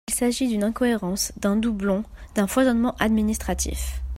Il s’agit d’une incohérence, d’un doublon, d’un foisonnement administratif.